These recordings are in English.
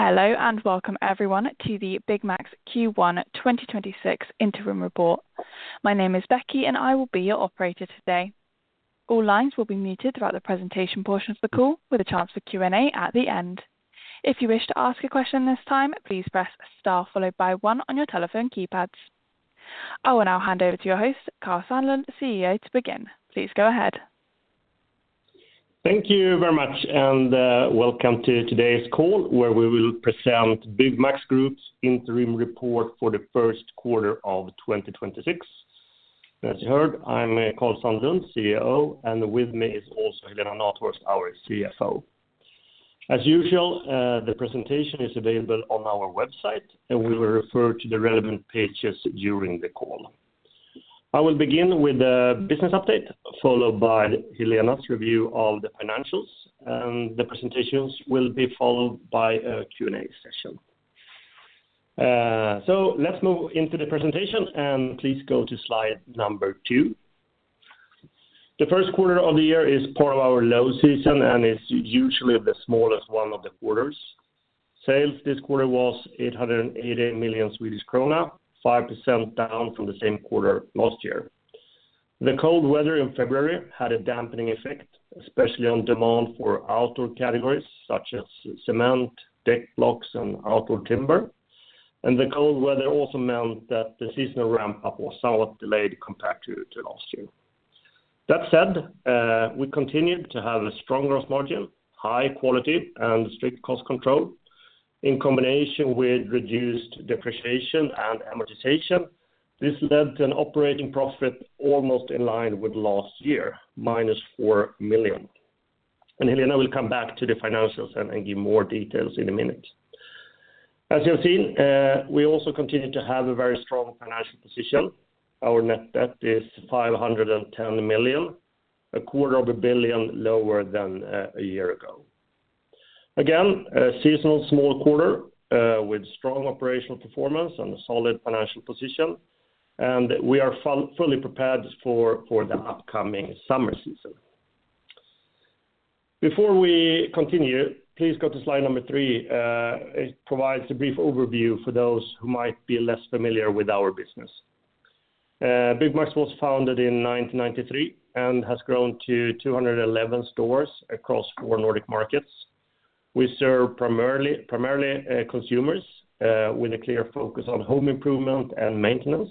Hello, and welcome everyone to the Byggmax's Q1 2026 interim report. My name is Becky and I will be your operator today. All lines will be muted throughout the presentation portion of the call, with a chance for Q&A at the end. If you wish to ask a question this time, please press star followed by one on your telephone keypads. I will now hand over to your host, Karl Sandlund, CEO, to begin. Please go ahead. Thank you very much, and welcome to today's call, where we will present Byggmax Group's interim report for the first quarter of 2026. As you heard, I'm Karl Sandlund, CEO, and with me is also Helena Nathhorst, our CFO. As usual, the presentation is available on our website, and we will refer to the relevant pages during the call. I will begin with the business update, followed by Helena's review of the financials. The presentations will be followed by a Q&A session. Let's move into the presentation and please go to slide number two. The first quarter of the year is part of our low season and is usually the smallest one of the quarters. Sales this quarter was 888 million Swedish krona, 5% down from the same quarter last year. The cold weather in February had a dampening effect, especially on demand for outdoor categories such as cement, deck blocks, and outdoor timber. The cold weather also meant that the seasonal ramp-up was somewhat delayed compared to last year. That said, we continued to have a strong growth margin, high quality, and strict cost control, in combination with reduced depreciation and amortization. This led to an operating profit almost in line with last year, -4 million. Helena will come back to the financials and give more details in a minute. As you have seen, we also continue to have a very strong financial position. Our net debt is 510 million, 250 million lower than a year ago. Again, a seasonal small quarter, with strong operational performance and a solid financial position. We are fully prepared for the upcoming summer season. Before we continue, please go to slide number three. It provides a brief overview for those who might be less familiar with our business. Byggmax was founded in 1993 and has grown to 211 stores across four Nordic markets. We serve primarily consumers, with a clear focus on home improvement and maintenance.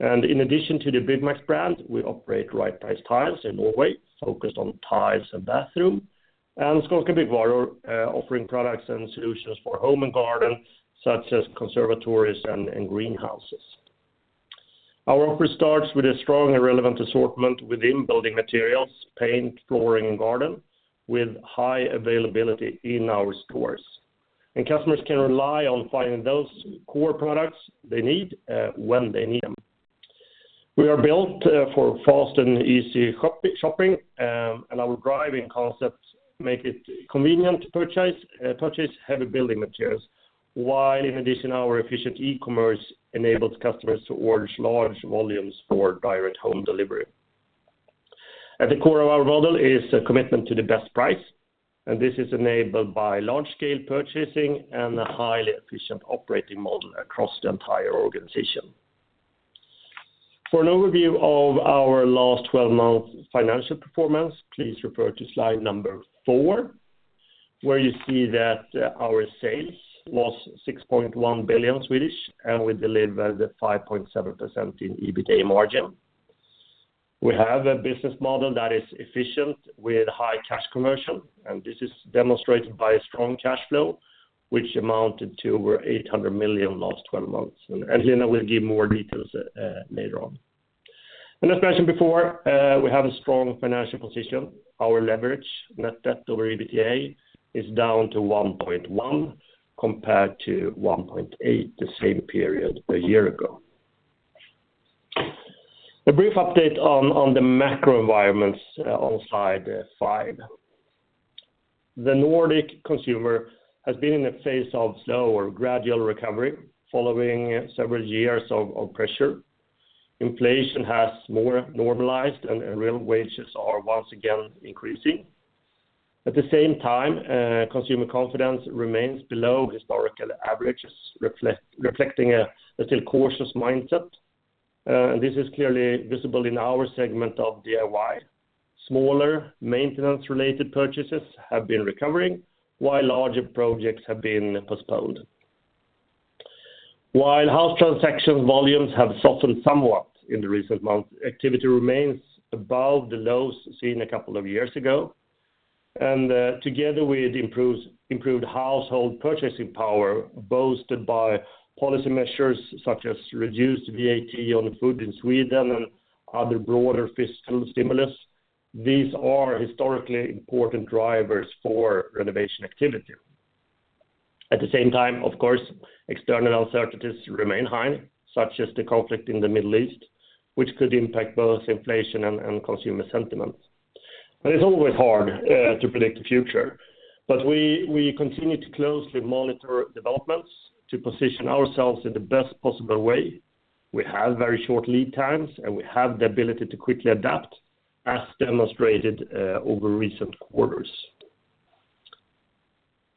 In addition to the Byggmax brand, we operate Right Price Tiles in Norway, focused on tiles and bathroom, and Skånska Byggvaror, offering products and solutions for home and garden, such as conservatories and greenhouses. Our offer starts with a strong and relevant assortment within building materials, paint, flooring, and garden, with high availability in our stores. Customers can rely on finding those core products they need when they need them. We are built for fast and easy shopping. Our drive-in concepts make it convenient to purchase heavy building materials, while in addition, our efficient e-commerce enables customers to order large volumes for direct home delivery. At the core of our model is a commitment to the best price, and this is enabled by large-scale purchasing and a highly efficient operating model across the entire organization. For an overview of our last 12-month financial performance, please refer to slide number four, where you see that our sales was 6.1 billion, and we delivered a 5.7% in EBITA margin. We have a business model that is efficient with high cash conversion, and this is demonstrated by a strong cash flow, which amounted to over 800 million last 12 months. Helena will give more details later on. As mentioned before, we have a strong financial position. Our leverage, net debt over EBITDA, is down to 1.1x, compared to 1.8x the same period a year ago. A brief update on the macro environments on slide five. The Nordic consumer has been in a phase of slow or gradual recovery following several years of pressure. Inflation has more normalized and real wages are once again increasing. At the same time, consumer confidence remains below historical averages, reflecting a still cautious mindset. This is clearly visible in our segment of DIY. Smaller maintenance-related purchases have been recovering while larger projects have been postponed. While house transaction volumes have softened somewhat in the recent months, activity remains above the lows seen a couple of years ago, and together with improved household purchasing power, boosted by policy measures such as reduced VAT on food in Sweden and other broader fiscal stimulus. These are historically important drivers for renovation activity. At the same time, of course, external uncertainties remain high, such as the conflict in the Middle East, which could impact both inflation and consumer sentiment. It's always hard to predict the future. We continue to closely monitor developments to position ourselves in the best possible way. We have very short lead times, and we have the ability to quickly adapt, as demonstrated over recent quarters.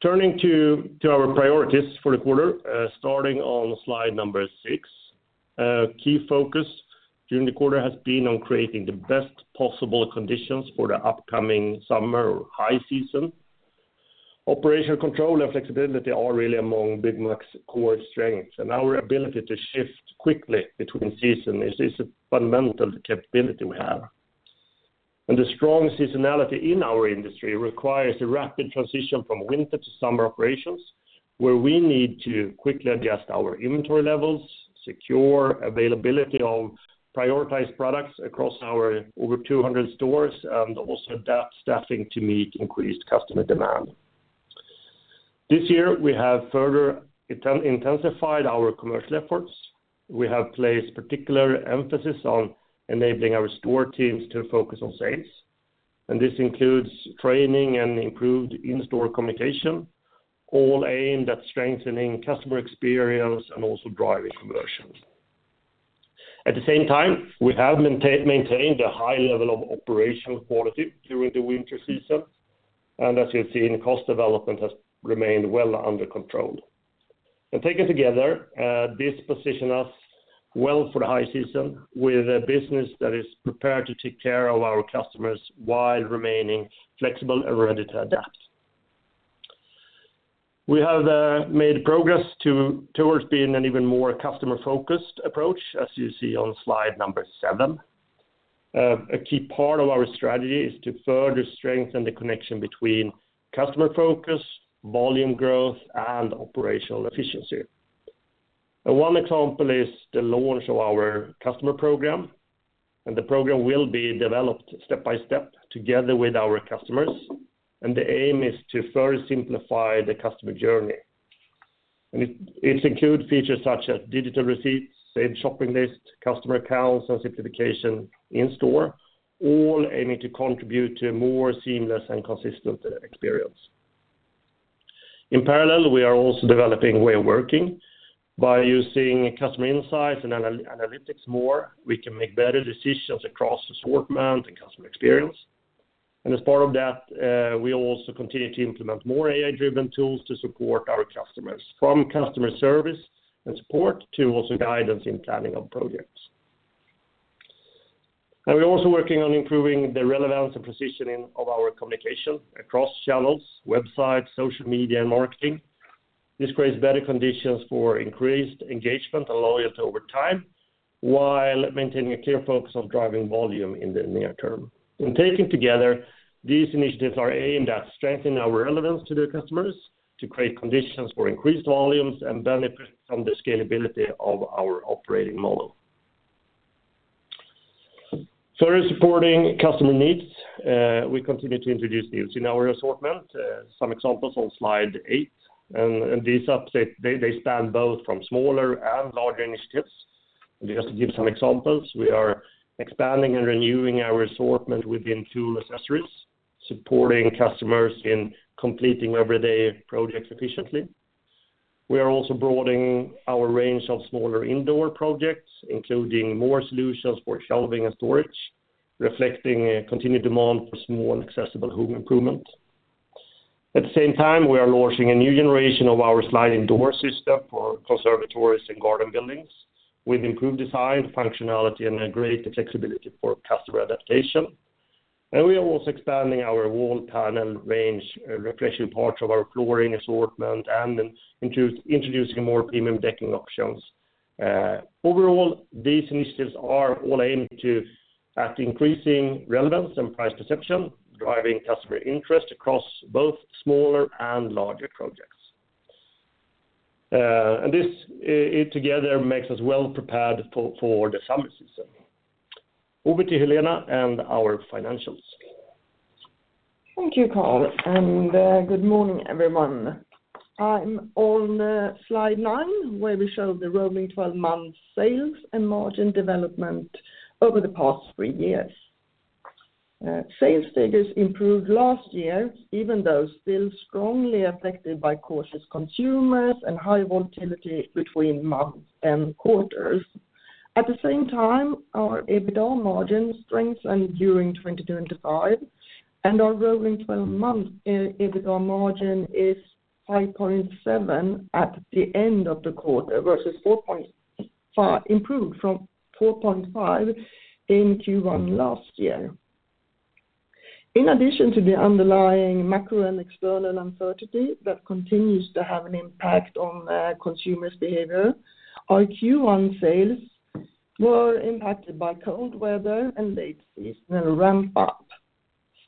Turning to our priorities for the quarter, starting on slide number six. Key focus during the quarter has been on creating the best possible conditions for the upcoming summer or high season. Operational control and flexibility are really among Byggmax core strengths, and our ability to shift quickly between seasons is a fundamental capability we have. The strong seasonality in our industry requires a rapid transition from winter to summer operations, where we need to quickly adjust our inventory levels, secure availability of prioritized products across our over 200 stores, and also adapt staffing to meet increased customer demand. This year, we have further intensified our commercial efforts. We have placed particular emphasis on enabling our store teams to focus on sales. This includes training and improved in-store communication, all aimed at strengthening customer experience and also driving conversions. At the same time, we have maintained a high level of operational quality during the winter season. As you have seen, cost development has remained well under control. Taken together, this positions us well for the high season with a business that is prepared to take care of our customers while remaining flexible and ready to adapt. We have made progress towards being an even more customer-focused approach, as you see on slide number seven. A key part of our strategy is to further strengthen the connection between customer focus, volume growth, and operational efficiency. One example is the launch of our customer program, and the program will be developed step by step together with our customers, and the aim is to further simplify the customer journey. It includes features such as digital receipts, saved shopping lists, customer accounts, and simplification in store, all aiming to contribute to a more seamless and consistent experience. In parallel, we are also developing way of working by using customer insights and analytics more. We can make better decisions across the assortment and customer experience. As part of that, we also continue to implement more AI-driven tools to support our customers from customer service and support to also guidance in planning of projects. We're also working on improving the relevance and positioning of our communication across channels, websites, social media, and marketing. This creates better conditions for increased engagement and loyalty over time while maintaining a clear focus on driving volume in the near term. Taken together, these initiatives are aimed at strengthening our relevance to the customers to create conditions for increased volumes and benefit from the scalability of our operating model. Further supporting customer needs, we continue to introduce new in our assortment. Some examples on slide eight and these updates, they span both from smaller and larger initiatives. Just to give some examples, we are expanding and renewing our assortment within tool accessories, supporting customers in completing everyday projects efficiently. We are also broadening our range of smaller indoor projects, including more solutions for shelving and storage, reflecting a continued demand for small and accessible home improvement. At the same time, we are launching a new generation of our sliding door system for conservatories and garden buildings with improved design, functionality, and a great flexibility for customer adaptation. We are also expanding our wall panel range, refreshing parts of our flooring assortment, and introducing more premium decking options. Overall, these initiatives are all aimed at increasing relevance and price perception, driving customer interest across both smaller and larger projects. This together makes us well prepared for the summer season. Over to Helena and our financials. Thank you, Karl, and good morning, everyone. I'm on slide nine, where we show the rolling 12-month sales and margin development over the past three years. Sales figures improved last year, even though still strongly affected by cautious consumers and high volatility between months and quarters. At the same time, our EBITDA margin strengthened during 2025, and our rolling 12-month EBITDA margin is 5.7% at the end of the quarter, improved from 4.5% in Q1 last year. In addition to the underlying macro and external uncertainty that continues to have an impact on consumers' behavior, our Q1 sales were impacted by cold weather and late seasonal ramp up.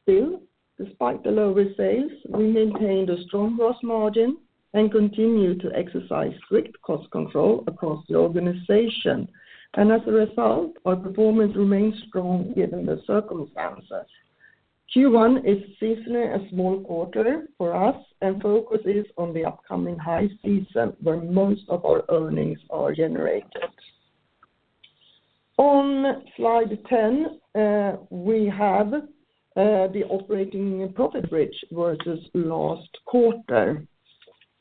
Still, despite the lower sales, we maintained a strong gross margin and continued to exercise strict cost control across the organization. As a result, our performance remains strong given the circumstances. Q1 is seasonally a small quarter for us and focuses on the upcoming high season when most of our earnings are generated. On slide 10, we have the operating profit bridge versus last quarter.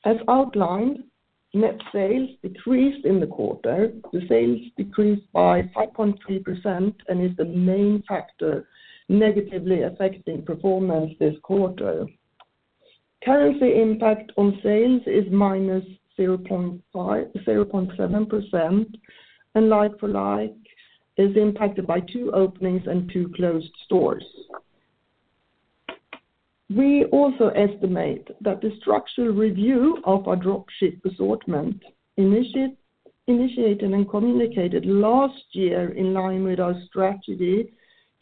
As outlined, net sales decreased in the quarter. The sales decreased by 5.3% and is the main factor negatively affecting performance this quarter. Currency impact on sales is -0.7%, and like-for-like is impacted by two openings and two closed stores. We also estimate that the structural review of our drop ship assortment, initiated and communicated last year in line with our strategy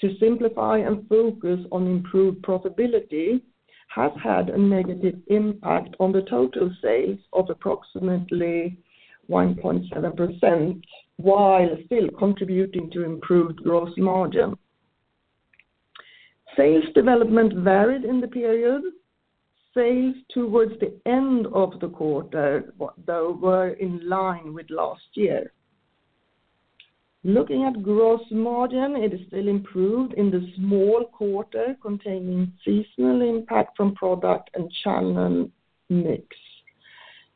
to simplify and focus on improved profitability, has had a negative impact on the total sales of approximately 1.7% while still contributing to improved gross margin. Sales development varied in the period. Sales towards the end of the quarter, though, were in line with last year. Looking at gross margin, it is still improved in the small quarter containing seasonal impact from product and channel mix.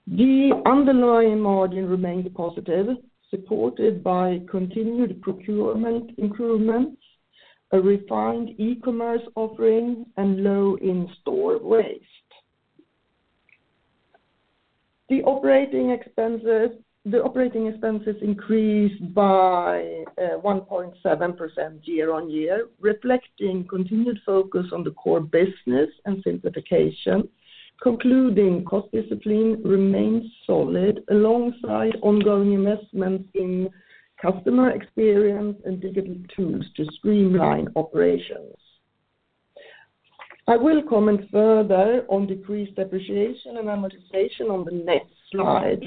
The underlying margin remained positive, supported by continued procurement improvements, a refined e-commerce offering, and low in-store waste. The operating expenses increased by 1.7% year-on-year, reflecting continued focus on the core business and simplification, concluding cost discipline remains solid alongside ongoing investments in customer experience and digital tools to streamline operations. I will comment further on decreased depreciation and amortization on the next slide.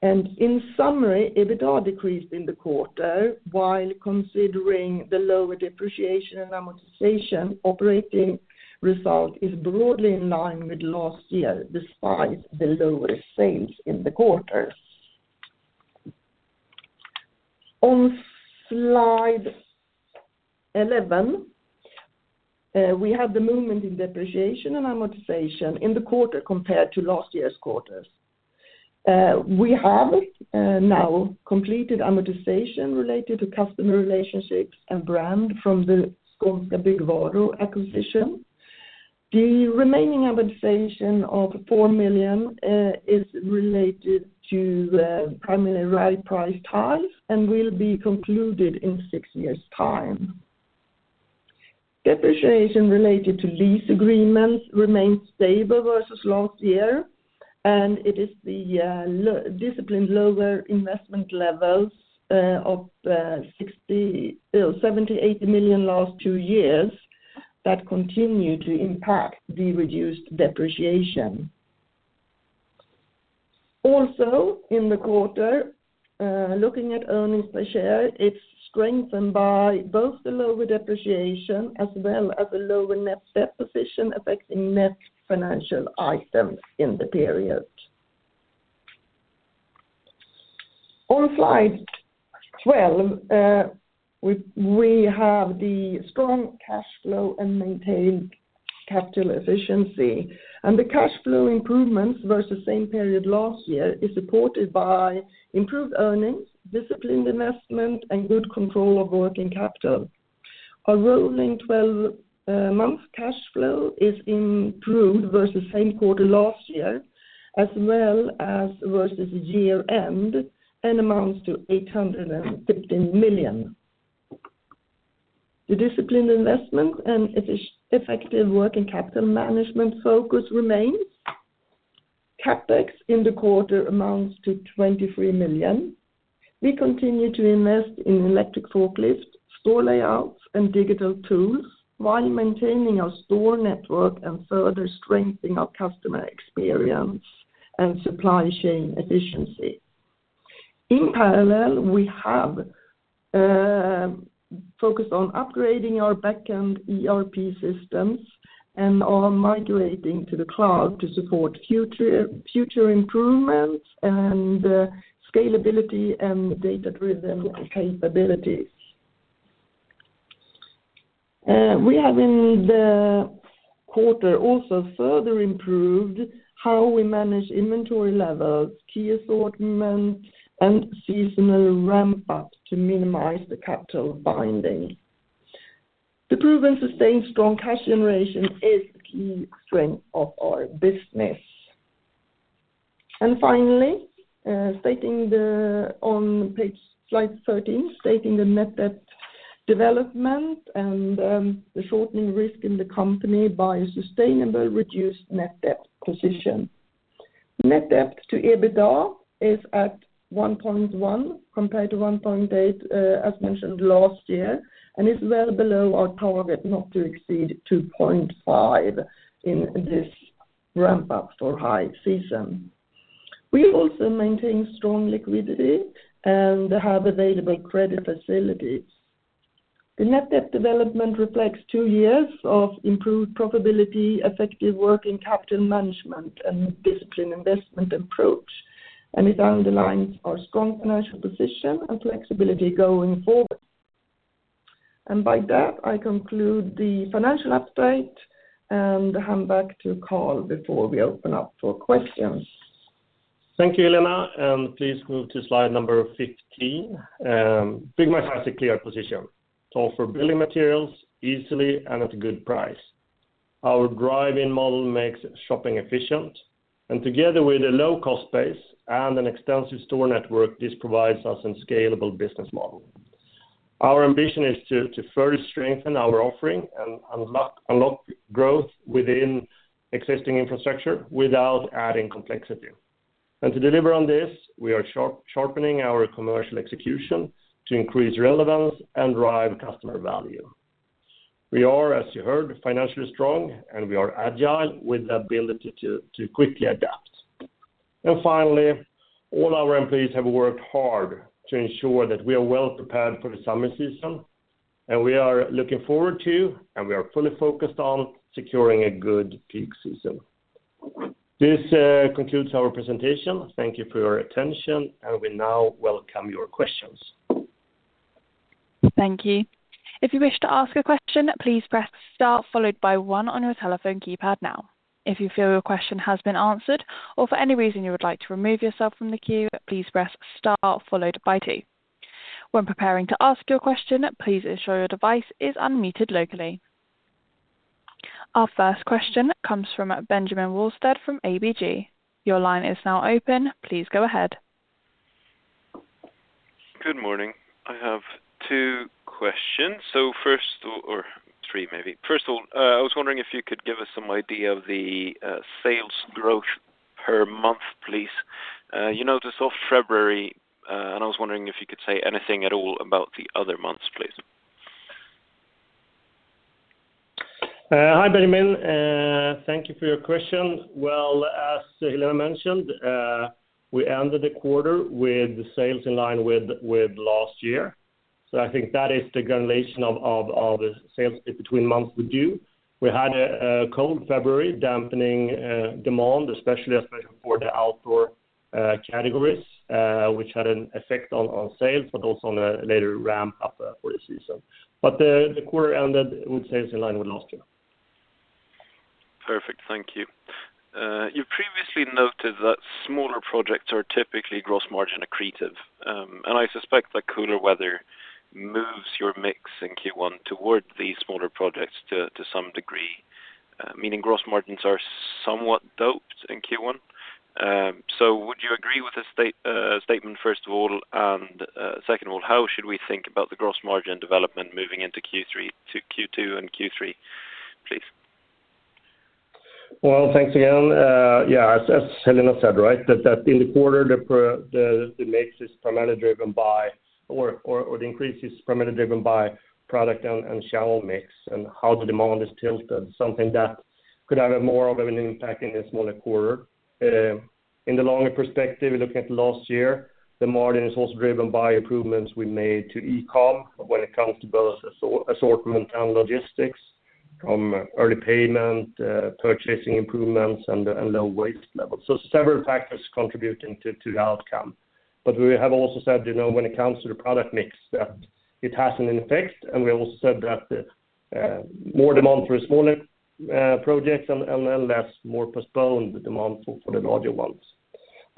In summary, EBITDA decreased in the quarter while considering the lower depreciation and amortization operating result is broadly in line with last year, despite the lower sales in the quarter. On slide 11, we have the movement in depreciation and amortization in the quarter compared to last year's quarter. We have now completed amortization related to customer relationships and brand from the Skånska Byggvaror acquisition. The remaining amortization of 4 million is related to the primary Right Price Tiles and will be concluded in six years' time. Depreciation related to lease agreements remains stable versus last year, and it is the disciplined lower investment levels of 78 million last two years that continue to impact the reduced depreciation. Also, in the quarter, looking at earnings per share, it's strengthened by both the lower depreciation as well as a lower net debt position affecting net financial items in the period. On slide 12, we have the strong cash flow and maintained capital efficiency. The cash flow improvements versus same period last year is supported by improved earnings, disciplined investment, and good control of working capital. Our rolling 12-month cash flow is improved versus same quarter last year, as well as versus year-end, and amounts to 815 million. The disciplined investment and effective working capital management focus remains. CapEx in the quarter amounts to 23 million. We continue to invest in electric forklifts, store layouts, and digital tools while maintaining our store network and further strengthening our customer experience and supply chain efficiency. In parallel, we have focused on upgrading our back-end ERP systems and are migrating to the cloud to support future improvements and scalability and data-driven capabilities. We have in the quarter also further improved how we manage inventory levels, key assortments, and seasonal ramp-ups to minimize the capital binding. The proven sustained strong cash generation is the key strength of our business. Finally, on slide 13, stating the net debt development and the shortening risk in the company by a sustainable reduced net debt position. Net debt to EBITDA is at 1.1x compared to 1.8x, as mentioned last year, and is well below our target not to exceed 2.5x in this ramp-up for high season. We also maintain strong liquidity and have available credit facilities. The net debt development reflects two years of improved profitability, effective working capital management, and disciplined investment approach. It underlines our strong financial position and flexibility going forward. By that, I conclude the financial update and hand back to Karl before we open up for questions. Thank you, Helena. Please move to slide number 15. Byggmax has a clear position to offer building materials easily and at a good price. Our drive-in model makes shopping efficient and together with a low-cost base and an extensive store network, this provides us a scalable business model. Our ambition is to further strengthen our offering and unlock growth within existing infrastructure without adding complexity. To deliver on this, we are sharpening our commercial execution to increase relevance and drive customer value. We are, as you heard, financially strong, and we are agile with the ability to quickly adapt. Finally, all our employees have worked hard to ensure that we are well prepared for the summer season, and we are looking forward to, and we are fully focused on, securing a good peak season. This concludes our presentation. Thank you for your attention, and we now welcome your questions. Thank you. If you wish to ask a question, please press star followed by one on your telephone keypad now. If you feel your question has been answered, or for any reason you would like to remove yourself from the queue, please press star followed by two. When preparing to ask your question, please ensure your device is unmuted locally. Our first question comes from Benjamin Wahlstedt from ABG. Your line is now open. Please go ahead. Good morning. I have two questions or three maybe. First of all, I was wondering if you could give us some idea of the sales growth per month, please. You noted for February, and I was wondering if you could say anything at all about the other months, please. Hi, Benjamin. Thank you for your question. Well, as Helena mentioned, we ended the quarter with sales in line with last year. I think that is the granularity of the sales between months with you. We had a cold February dampening demand, especially for the outdoor categories, which had an effect on sales but also on a later ramp-up for the season. The quarter ended with sales in line with last year. Perfect. Thank you. You previously noted that smaller projects are typically gross margin accretive, and I suspect that cooler weather moves your mix in Q1 toward these smaller projects to some degree, meaning gross margins are somewhat doped in Q1. Would you agree with this statement, first of all? Second of all, how should we think about the gross margin development moving into Q2 and Q3, please? Well, thanks again. Yeah, as Helena said, right? That in the quarter, the mix is primarily driven by, or the increase is primarily driven by product and channel mix and how the demand is tilted, something that could have a more of an impact in a smaller quarter. In the longer perspective, looking at last year, the margin is also driven by improvements we made to e-com when it comes to both assortment and logistics, from early payment, purchasing improvements and low waste levels. Several factors contributing to the outcome. We have also said, when it comes to the product mix, that it has an effect. We also said that more demand for smaller projects and then less, more postponed demand for the larger ones.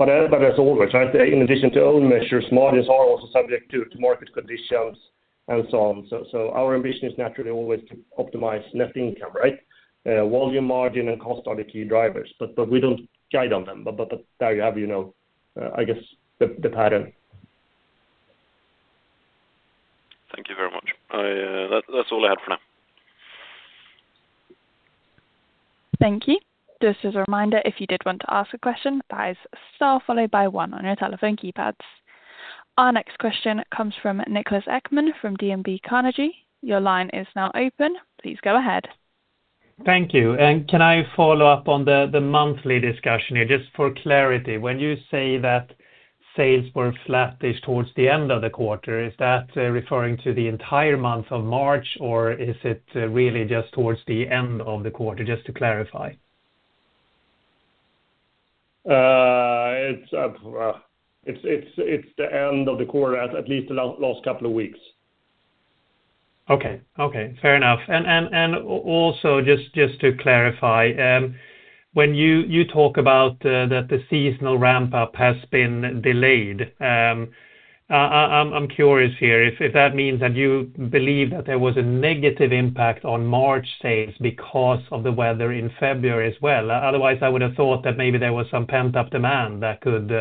As always, in addition to own measures, margins are also subject to market conditions and so on. Our ambition is naturally always to optimize net income, right? Volume, margin, and cost are the key drivers, but we don't guide on them. There you have it, I guess the pattern. Thank you very much. That's all I had for now. Thank you. Just as a reminder, if you did want to ask a question, that is star followed by one on your telephone keypads. Our next question comes from Niklas Ekman from DNB Carnegie. Your line is now open. Please go ahead. Thank you. Can I follow up on the monthly discussion here, just for clarity. When you say that sales were flattish towards the end of the quarter, is that referring to the entire month of March, or is it really just towards the end of the quarter? Just to clarify. It's the end of the quarter, at least the last couple of weeks. Okay. Fair enough. Also just to clarify, when you talk about that the seasonal ramp-up has been delayed, I'm curious here if that means that you believe that there was a negative impact on March sales because of the weather in February as well. Otherwise, I would have thought that maybe there was some pent-up demand that could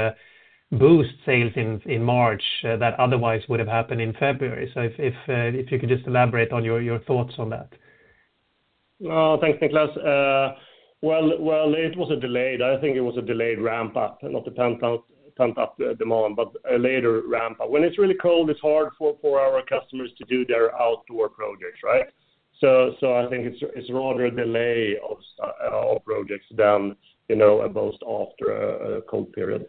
boost sales in March that otherwise would have happened in February. If you could just elaborate on your thoughts on that? Thanks, Niklas. Well, it was a delayed, I think it was a delayed ramp-up, not a pent-up demand, but a later ramp-up. When it's really cold, it's hard for our customers to do their outdoor projects, right? I think it's rather a delay of projects than a boost after a cold period.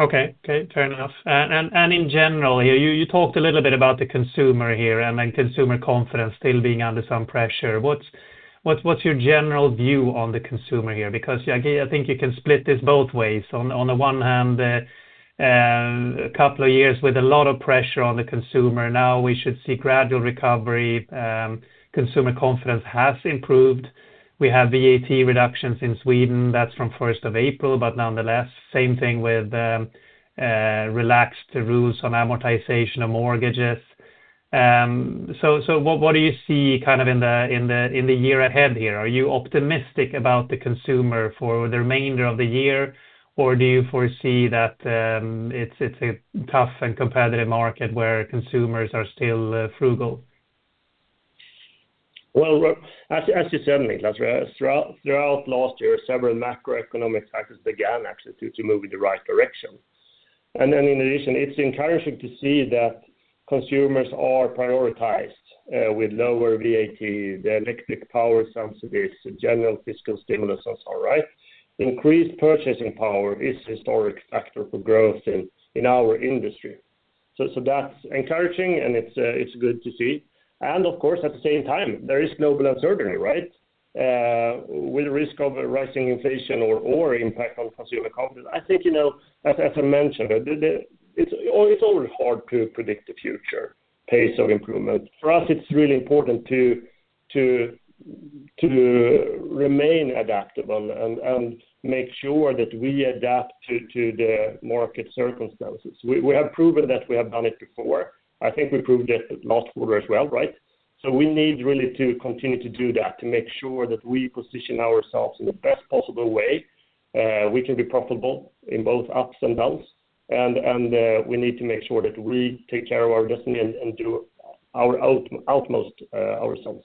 Okay. Fair enough. In general here, you talked a little bit about the consumer here and consumer confidence still being under some pressure. What's your general view on the consumer here? Because I think you can split this both ways. On the one hand, a couple of years with a lot of pressure on the consumer, now we should see gradual recovery. Consumer confidence has improved. We have VAT reductions in Sweden. That's from 1st of April, but nonetheless, same thing with relaxed rules on amortization of mortgages. What do you see in the year ahead here? Are you optimistic about the consumer for the remainder of the year, or do you foresee that it's a tough and competitive market where consumers are still frugal? Well, as you said, Niklas, throughout last year, several macroeconomic factors began actually to move in the right direction. Then in addition, it's encouraging to see that consumers are prioritized, with lower VAT, the electric power subsidies, the general fiscal stimulus as well, right? Increased purchasing power is a historic factor for growth in our industry. That's encouraging and it's good to see. Of course, at the same time, there is no blood surgery with risk of rising inflation or impact on consumer confidence, right? I think, as I mentioned, it's always hard to predict the future pace of improvement. For us, it's really important to remain adaptable and make sure that we adapt to the market circumstances. We have proven that we have done it before. I think we proved it last quarter as well, right? We need really to continue to do that, to make sure that we position ourselves in the best possible way. We can be profitable in both ups and downs, and we need to make sure that we take care of our destiny and do our utmost ourselves.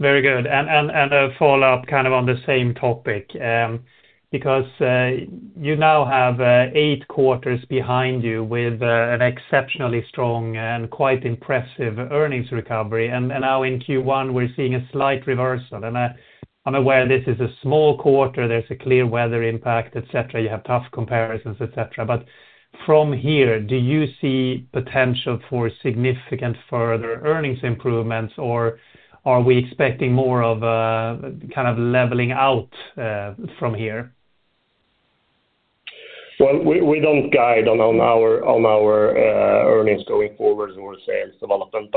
Very good. A follow-up on the same topic because you now have eight quarters behind you with an exceptionally strong and quite impressive earnings recovery. Now in Q1, we're seeing a slight reversal. I'm aware this is a small quarter, there's a clear weather impact, et cetera. You have tough comparisons, et cetera. From here, do you see potential for significant further earnings improvements, or are we expecting more of a leveling out from here? Well, we don't guide on our earnings going forward or sales development.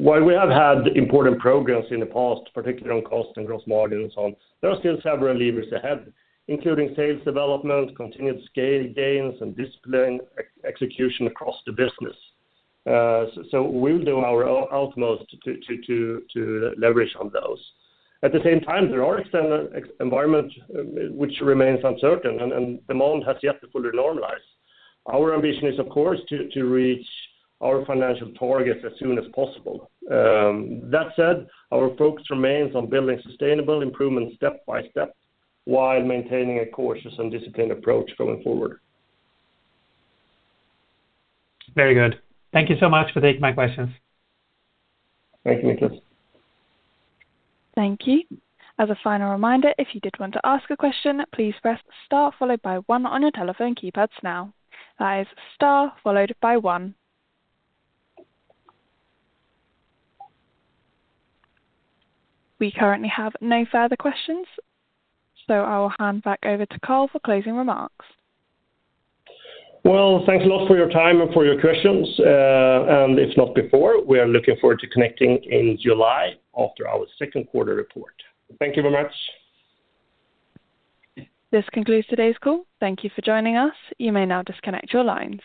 While we have had important progress in the past, particularly on cost and gross margins and so on, there are still several levers ahead, including sales development, continued scale gains, and disciplined execution across the business. We'll do our utmost to leverage on those. At the same time, there are external environment which remains uncertain, and demand has yet to fully normalize. Our ambition is, of course, to reach our financial targets as soon as possible. That said, our focus remains on building sustainable improvement step by step while maintaining a cautious and disciplined approach going forward. Very good. Thank you so much for taking my questions. Thank you, Niklas. Thank you. As a final reminder, if you did want to ask a question, please press star followed by one on your telephone keypads now. That is star followed by one. We currently have no further questions, so I will hand back over to Karl for closing remarks. Well, thanks a lot for your time and for your questions. If not before, we are looking forward to connecting in July after our second quarter report. Thank you very much. This concludes today's call. Thank you for joining us. You may now disconnect your lines.